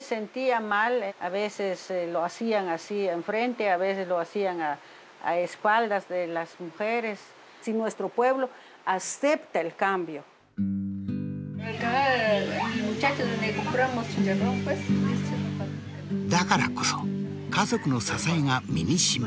だからこそ家族の支えが身にしみる。